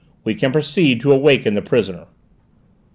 We can proceed to awaken the prisoner."